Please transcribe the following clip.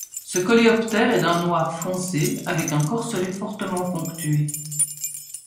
Ce coléoptère est d'un noir foncé avec un corselet fortement ponctué.